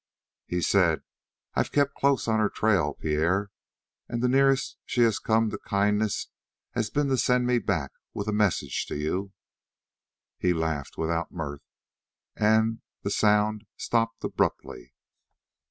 He said: "I've kept close on her trail, Pierre, and the nearest she has come to kindness has been to send me back with a message to you." He laughed without mirth, and the sound stopped abruptly.